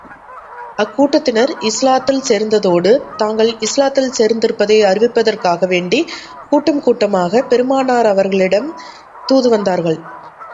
அக்கூட்டத்தினர் இஸ்லாத்தில் சேர்ந்ததோடு, தாங்கள் இஸ்லாத்தில் சேர்ந்திருப்பதை அறிவிப்பதற்காக வேண்டிக் கூட்டம் கூட்டமாகப் பெருமானார் அவர்களிடம் தூது வந்தார்கள்.